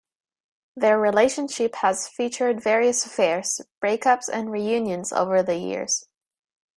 Their relationship has featured various affairs, break-ups and reunions over the years.